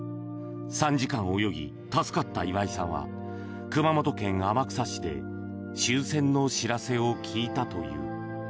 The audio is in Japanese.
３時間泳ぎ、助かった岩井さんは熊本県天草市で終戦の知らせを聞いたという。